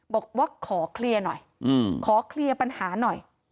บอกว่าขอเคลียร์หน่อยขอเคลียร์ปัญหาหน่อย